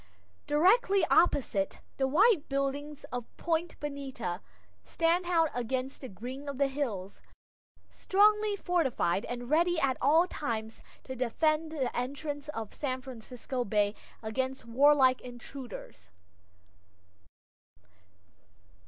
Directly opposite, the white buildings of Point Bonita stand out against the green of the hills; strongly fortified, and ready at all times to defend the entrance to San Francisco Bay against warlike intruders.